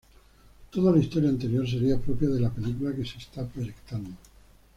Toda la historia anterior sería propia de la película que se está proyectando.